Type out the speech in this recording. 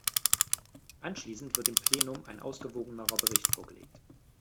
Anschließend wird dem Plenum ein ausgewogenerer Bericht vorgelegt.